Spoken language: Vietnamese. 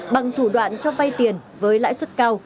bằng thủ đoạn cho vay tiền với lãi suất cao